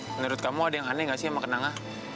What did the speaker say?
menurut kamu ada yang aneh nggak sih sama kenanga